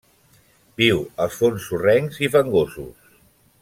Viu als fons sorrencs i fangosos.